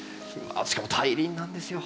しかも大輪なんですよ。